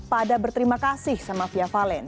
pada berterima kasih sama fia valen